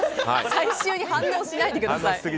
最終に反応しないでください。